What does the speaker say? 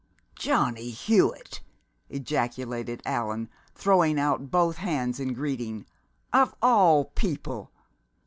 "Johnny Hewitt!" ejaculated Allan, throwing out both hands in greeting. "Of all people!